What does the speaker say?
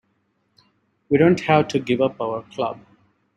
We don't have to give up our club.